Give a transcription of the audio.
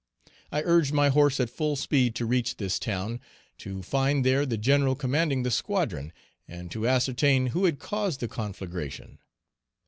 I urged my horse at full speed to reach this town, to find there the general commanding the squadron, and to ascertain who had caused the conflagration.